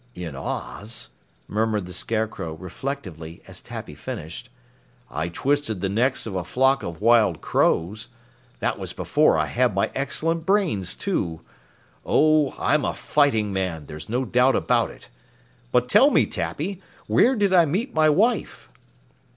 "In Oz," murmured the Scarecrow reflectively as Tappy finished, "I twisted the necks of a flock of wild crows that was before I had my excellent brains, too. Oh, I'm a fighting man, there's no doubt about it. But tell me, Tappy, where did I meet my wife?"